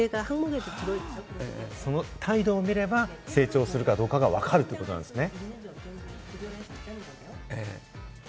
その態度を見れば、成長するかどうかが分かるということですね。